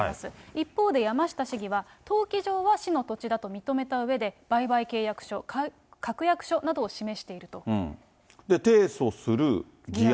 一方で、山下市議は、登記上は市の土地だと認めたうえで、売買契約書、確約書などを示提訴する議案。